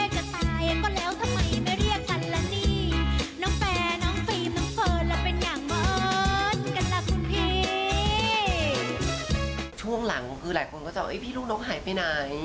ช่วงหลังคือหลายคนก็จะว่าพี่ลูกนกหายไปไหน